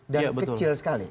dan kecil sekali